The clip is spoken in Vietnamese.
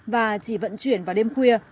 và chỉ vận chuyển vào đêm khuya